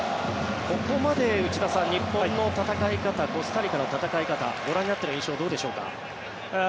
ここまで内田さん日本の戦い方コスタリカの戦い方ご覧になっている印象はどうでしょうか。